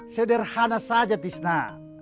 sederhana saja tisna